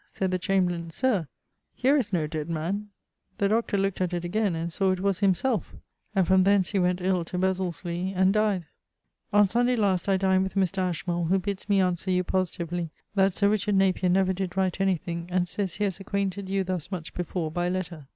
Sayd the chamberlain, 'Sir, here is no dead man.' The Dr. look't at it again, and saw it was him selfe. And from thence he went (ill) to Besil's leigh and died. On Sunday last I dined with Mr. Ashmole, who bids me answer you[AH] positively that Sir Richard Napier never did write anything, and sayes he haz acquainted you thus much before by letter.